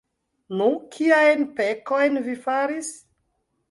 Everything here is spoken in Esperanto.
Nu, kiajn pekojn vi faris?